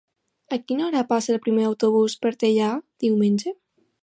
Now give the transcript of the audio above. A quina hora passa el primer autobús per Teià diumenge?